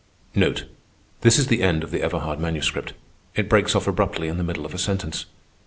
This is the end of the Everhard Manuscript. It breaks off abruptly in the middle of a sentence.